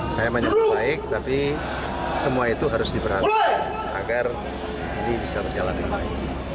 saya menyebut baik tapi semua itu harus diperhatikan agar ini bisa berjalan dengan baik